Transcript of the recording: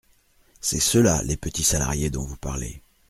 C’est cela, les petits salariés dont vous parlez.